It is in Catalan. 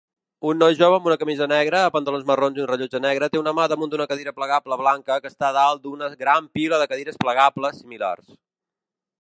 Un noi jove amb una camisa negra, pantalons marrons i un rellotge negre té una mà damunt d'una cadira plegable blanca que està dalt d'una gran pila de cadires plegables similars